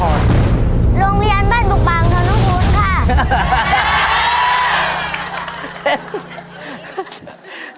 โรงเรียนบ้านบกบังถอนน้องขุนค่ะ